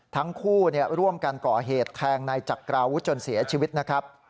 ทั้งคู่ร่วมกันก่อเหตุแทงนายจักราวุฒิจนเสียชีวิตนะครับ